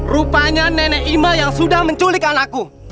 rupanya nenek ima yang sudah menculik anakku